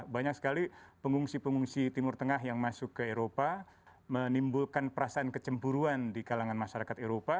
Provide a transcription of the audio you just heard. banyak sekali pengungsi pengungsi timur tengah yang masuk ke eropa menimbulkan perasaan kecemburuan di kalangan masyarakat eropa